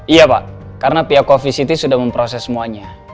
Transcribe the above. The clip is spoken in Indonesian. iya pak karena pihak coffeesity sudah memproses semuanya